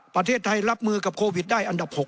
ประเทศไทยรับมือกับโควิดได้อันเด่อ๖ของโลก